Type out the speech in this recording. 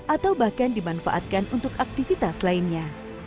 atau bahkan dimanfaatkan untuk aktivitas lainnya